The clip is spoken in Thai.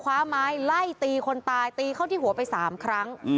คว้าไม้ไล่ตีคนตายตีเข้าที่หัวไป๓ครั้ง